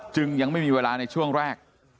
จึงยังไม่มีเวลาในช่วงแรก